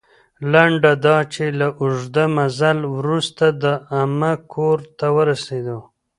لنډه دا چې، له اوږده مزل وروسته د عمه کور ته ورسېدو.